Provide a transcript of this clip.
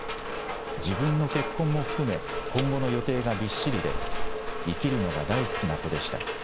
自分の結婚も含め今後の予定がびっしりで生きるのが大好きな子でした。